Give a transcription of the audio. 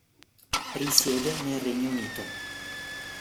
Risiede nel Regno Unito.